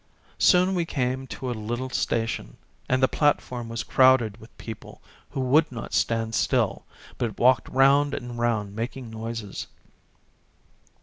Soon we came to a little station, and the platform was crowded with people who would not stand still, but walked round and round making noises.